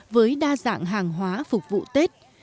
với đa dạng hàng hóa phục vụ tết